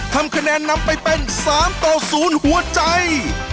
ทำคะแนนนำไปเป็นสามต่อศูนย์หัวใจ